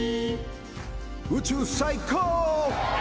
宇宙最高！